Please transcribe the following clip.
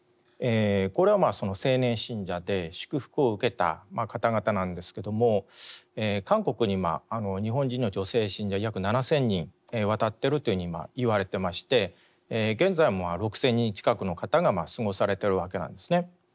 これは青年信者で祝福を受けた方々なんですけども韓国に日本人の女性信者約７，０００人渡っていると今言われていまして現在も６，０００人近くの方が過ごされているわけなんですね。